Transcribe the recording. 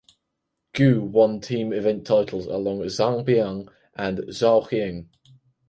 Gu won team event titles along with Zhang Bian and Zhou Ying.